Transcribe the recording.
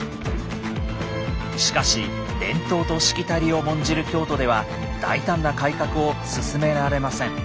しかし伝統としきたりを重んじる京都では大胆な改革を進められません。